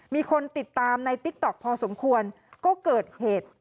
มีคนติดตามในติ๊กต๊อกพอสมควรก็เกิดเหตุ